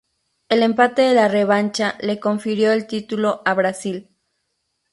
El empate en la revancha le confirió el título a Brasil.